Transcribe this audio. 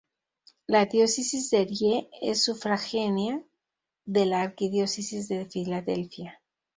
La Diócesis de Erie es sufragánea de la Arquidiócesis de Filadelfia.